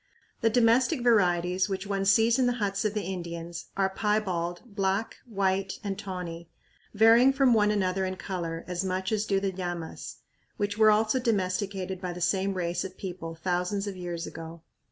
The domestic varieties, which one sees in the huts of the Indians, are piebald, black, white, and tawny, varying from one another in color as much as do the llamas, which were also domesticated by the same race of people thousands of years ago.